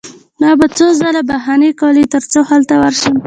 ما به څو ځله بهانه کوله ترڅو هلته ورشم